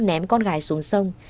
ném con gái xuống sông